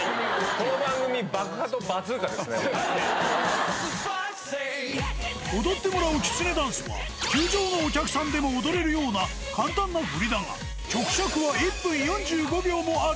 この番組、踊ってもらうきつねダンスは、球場のお客さんでも踊れるような簡単な振りだが、曲尺は１分４５